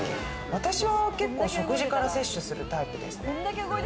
私は結構食事から摂取するタイプですね。